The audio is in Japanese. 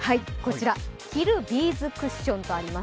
着るビーズクッションとあります。